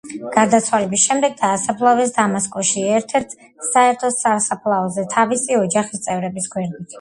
გარდაცვალების შემდგომ დაასაფლავეს დამასკოში, ერთ–ერთ საერთო სასაფლაოზე თავისი ოჯახის წევრების გვერდით.